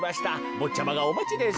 ぼっちゃまがおまちです。